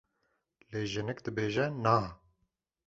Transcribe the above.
lê jinik dibêje Na!